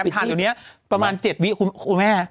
อ๋อตอนนี้ประมาณ๗วิคุณแม่